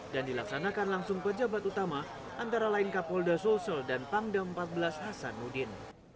dan dilaksanakan langsung pejabat utama antara lain kapolda sulsel dan pangdam empat belas hasanudin